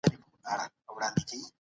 بې وزلو ته ډوډۍ ورکړئ.